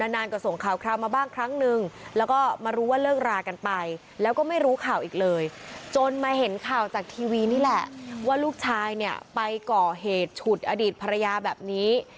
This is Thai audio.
นานก็ส่งข่าวคราวมาบ้างครั้งนึงแล้วก็มารู้ว่าเลิกรากันไปแล้วก็ไม่รู้ข่าวอีกเลยจนมาเห็นข่าวจากทีวีนี่แหละว่าลูกชายเนี่ยไปก่อเหตุฉุดอดีตภรรยาแบบนี้